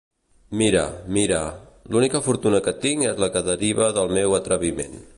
Mira, mira: «L'única fortuna que tinc és la que deriva del meu atreviment.